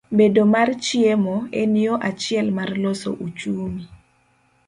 Bedo mar chiemo, en yo achiel mar loso uchumi.